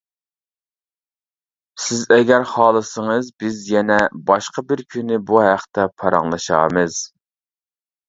سىز ئەگەر خالىسىڭىز بىز يەنە باشقا بىر كۈنى بۇ ھەقتە پاراڭلىشارمىز.